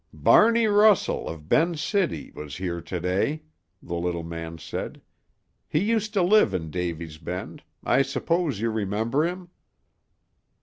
"Barney Russell, of Ben's City, was here to day," the little man said. "He used to live in Davy's Bend; I suppose you remember him."